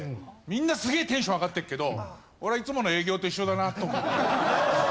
みんなすげえテンション上がってるけど俺は「いつもの営業と一緒だな」と思って。